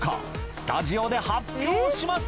スタジオで発表します！